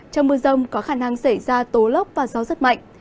trong mưa rông có khả năng xảy ra tố lốc và gió rất mạnh